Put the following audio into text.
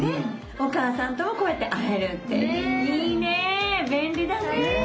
おかあさんともこうやって会えるっていいね便利だね。